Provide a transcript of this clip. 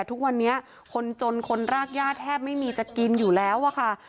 ทุกวันนี้คนจนคนรากย่าแทบไม่มีจะกินอยู่แล้วอะค่ะ